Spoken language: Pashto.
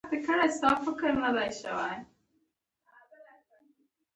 د دې ټکي نامشخص کیدل ډیرې ستونزې رامنځته کوي.